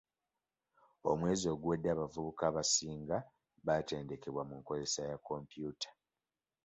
Omwezi oguwedde abavubuka abasinga batendekebwa mu nkozesa ya kompyuta.